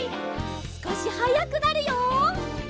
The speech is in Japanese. すこしはやくなるよ。